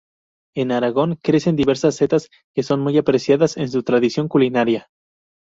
En Aragón crecen diversas setas que son muy apreciadas en su tradición culinaria.